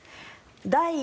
第１